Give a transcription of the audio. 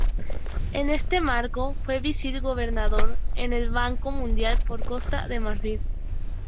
En este marco, fue Vice Gobernador en el Banco Mundial por Costa de Marfil.